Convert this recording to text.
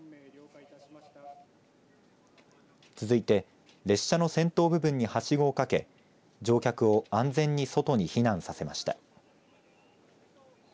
続いて列車の先頭部分にはしごをかけ乗客を安全に外に避難させました。